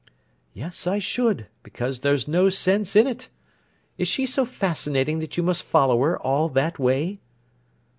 "Yes, I should, because there's no sense in it. Is she so fascinating that you must follow her all that way?"